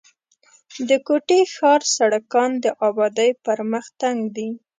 د کوټي ښار سړکان د آبادۍ پر مخ تنګ دي.